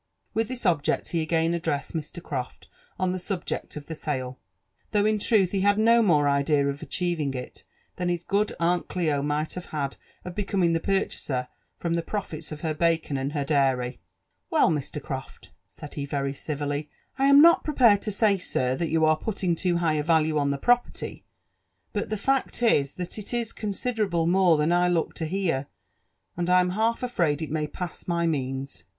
With this object he again addressed Mr. Croft on the subject of the sale, though in truth he had no more idea of achieving it than his good aunt Cli might have had of becoming the purchaser from the profits of her bacon and her dairy. ••Well, Mr. Croft," said he very civilly, •• I am not prepared tosay, sir, that you are putting too high a value on the properly ; but Ihe fact is, that it is considerable more than I looked to hear, and Tm half afraid it may pass my means.